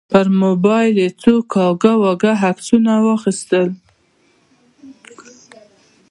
پر موبایل یې څو کاږه واږه عکسونه واخیستل.